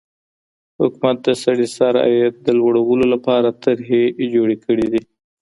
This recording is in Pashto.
حکومت د سړي سر عاید د لوړولو لپاره طرحې جوړي کړې دي.